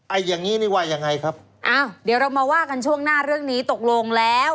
อย่างงี้นี่ว่ายังไงครับอ้าวเดี๋ยวเรามาว่ากันช่วงหน้าเรื่องนี้ตกลงแล้ว